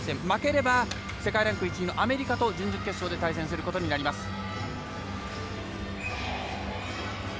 負ければ世界ランク１位のアメリカと準々決勝で対戦することになります。